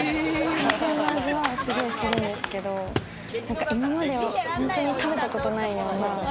海鮮の味がすごいするんですけど今まで本当に食べたことないような。